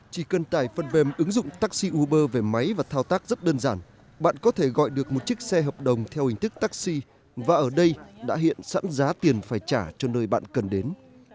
chỉ cần tải phần mềm ứng dụng taxi uber về máy và thao tác rất đơn giản bạn có thể gọi được một chiếc xe hợp đồng theo hình thức taxi và ở đây đã hiện sẵn giá tiền phải trả cho nơi bạn cần đến